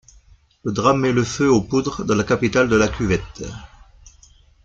Le drame met le feu aux poudres dans la capitale de la Cuvette.